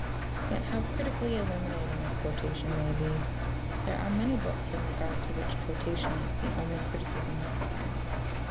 Yet how critically illuminating a quotation may be! There are many books in regard to which quotation is the only criticism necessary.